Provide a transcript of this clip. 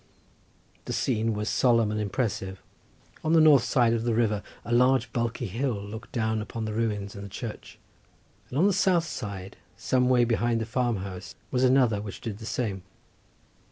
The scene was solemn and impressive: on the north side of the river a large bulky hill looked down upon the ruins and the church, and on the south side, some way behind the farm house, was another which did the same.